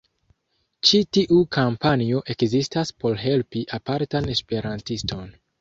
Ĉi tiu kampanjo ekzistas por helpi apartan Esperantiston